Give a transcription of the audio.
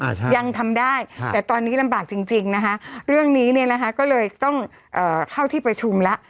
ใช่ยังทำได้แต่ตอนนี้ลำบากจริงจริงนะคะเรื่องนี้เนี่ยนะคะก็เลยต้องเอ่อเข้าที่ประชุมแล้ว